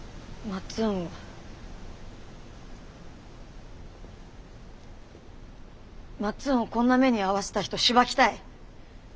まっつんをこんな目に遭わせた人しばきたい。